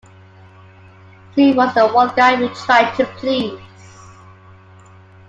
Stu was the one guy we tried to please.